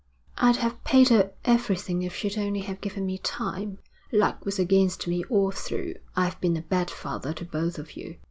'I'd have paid her everything if she'd only have given me time. Luck was against me all through. I've been a bad father to both of you.'